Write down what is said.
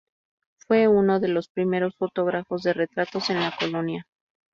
Fue uno de los primeros fotógrafos de retratos en la colonia.